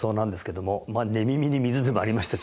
寝耳に水でもありましたし。